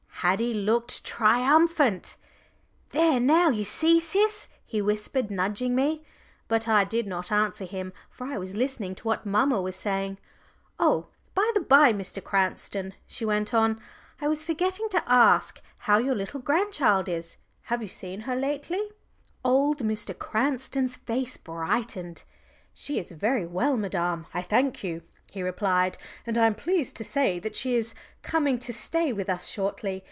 Haddie looked triumphant. "There now you see, Sis," he whispered, nudging me. But I did not answer him, for I was listening to what mamma was saying. "Oh, by the bye, Mr. Cranston," she went on, "I was forgetting to ask how your little grandchild is. Have you seen her lately?" Old Cranston's face brightened. "She is very well, madam, I thank you," he replied. "And I am pleased to say that she is coming to stay with us shortly.